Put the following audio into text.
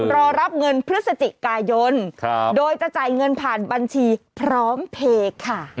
รอรับเงินพฤศจิกายนโดยจะจ่ายเงินผ่านบัญชีพร้อมเพย์ค่ะ